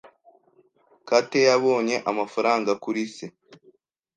Kate yabonye amafaranga kuri se.